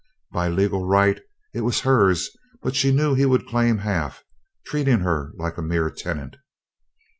By legal right it was hers but she knew he would claim half, treating her like a mere tenant.